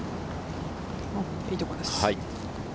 いいところです。